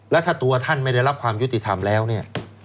แล้วถ้าตัวท่านไม่ได้รับความยุติธรรมแล้วเนี่ย